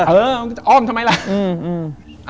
เออทำไมล่ะ